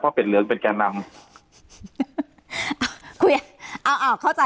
เพราะเป็ดเหลืองเป็นแกนนำ